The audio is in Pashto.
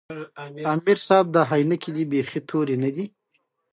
راتلونکي ته هیله ولرئ